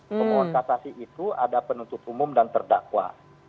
pemohon kasasi itu ada penuntut umum dan terdakwa